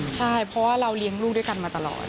ใช่เพราะว่าเราเลี้ยงลูกด้วยกันมาตลอด